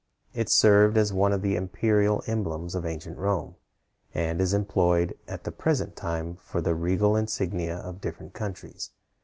It served as one of the imperial emblems of ancient Rome, and is employed at the present time for the regal insignia of different countries.